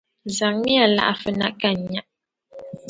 Zaŋmiya laɣifu na ka n nya.